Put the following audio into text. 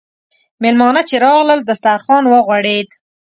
میلمانه چې راغلل، دسترخوان وغوړېد.